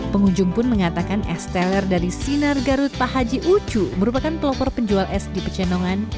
pengunjung pun mengatakan es teller dari sinar garut pak haji ucu merupakan pelopor penjual es di pecenongan